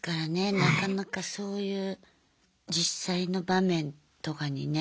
なかなかそういう実際の場面とかにね。